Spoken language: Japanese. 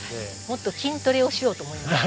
もっと筋トレをしようと思います。